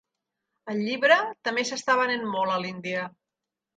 El llibre també s'està venent molt a l'Índia.